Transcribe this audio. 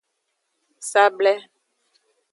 Sable.